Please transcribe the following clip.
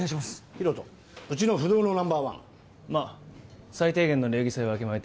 ヒロトうちの不動のナンバーワンまあ最低限の礼儀さえわきまえ